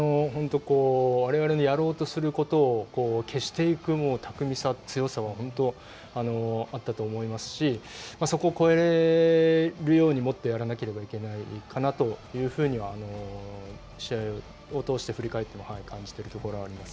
われわれのやろうとすることを消していく巧みさ、強さは本当にあったと思いますし、そこを超えるようにもっとやらなければいけないかなというふうには試合を通して振り返っても感じているところはあります。